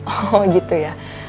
oh gitu ya